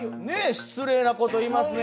失礼な事言いますね。